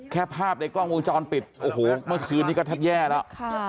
แค่ภาพในกล้องมอยวือจอนปิดโอ้โหเมื่อคืนนี้ก็ถึงแย่แล้ว